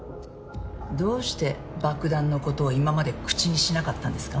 どうして爆弾の事を今まで口にしなかったんですか？